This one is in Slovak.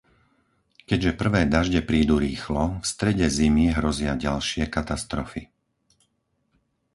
Keďže prvé dažde prídu rýchlo, v strede zimy hrozia ďalšie katastrofy.